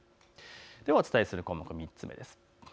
ではお伝えする項目、３つ目です。